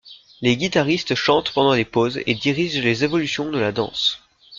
Les guitaristes chantent pendant les pauses et dirigent les évolutions de la danse.